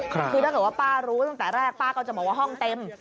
คือถ้าเกิดว่าป้ารู้ตั้งแต่แรกป้าก็จะบอกว่าห้องเต็ม